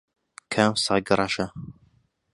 کام سەگ ڕەشە؟